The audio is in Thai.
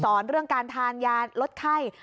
เรื่องการทานยาลดไข้